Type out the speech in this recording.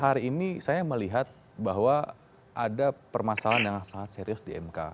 hari ini saya melihat bahwa ada permasalahan yang sangat serius di mk